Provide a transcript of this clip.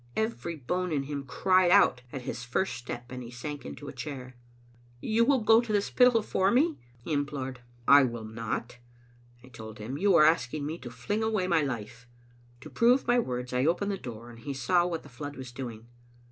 Every bone in him cried out at his first step, and he sank into a chair. " You will go to the Spittal for me?" he implored. "I will not," I told him. "You are asking me to fling away my life. " To prove my words I opened the door, and he saw what the flood was doing.